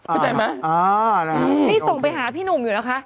เข้าใจไหมอ่าแล้วโอเคอืมนี่ส่งไปหาพี่หนุ่มอยู่แล้วค่ะ